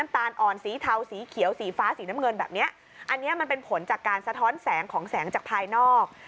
อันนี้มันเป็นผลจากการสะท้อนแสงของแสงจากภายนอก